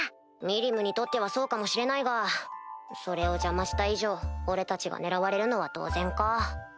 ミリムにとってはそうかもしれないがそれを邪魔した以上俺たちが狙われるのは当然か。